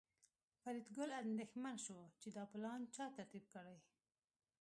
فریدګل اندېښمن شو چې دا پلان چا ترتیب کړی